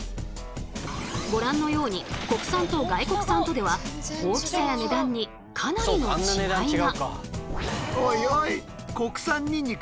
ご覧のように国産と外国産とでは大きさや値段にかなりの違いが。